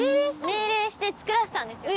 命令して造らせたんですよ。